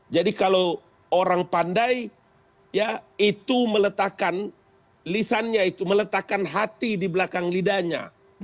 jadi kalau orang pandai ya itu meletakkan lisannya itu meletakkan hati di belakang lidahnya